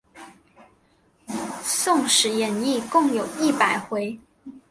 宋史演义共有一百回。